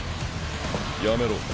やめろ。